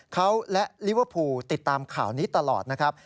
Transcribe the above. เขาและลิเวอร์พูลติดตามข่าวนี้ตลอดนะครับ